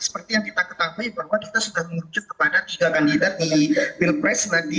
seperti yang kita ketahui bahwa kita sudah merujuk kepada tiga kandidat di pilpres nanti